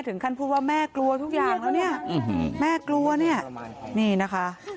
ถึงขั้นพูดว่าแม่กลัวทุกอย่างแล้วเนี่ยแม่กลัวเนี่ยนี่นะคะ